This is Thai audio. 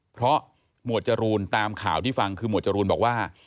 เพราะหมวดจรูนตามข่าวที่ฟังคือหมวดจรูนบอกว่า